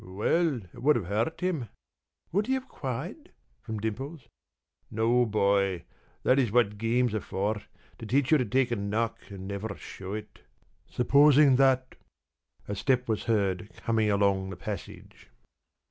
p> "Well, it would have hurt him." "Would he have cried?" from Dimples. "No, boy. That is what games are for, to teach you to take a knock and never show it. Supposing that " A step was heard coming along the passage.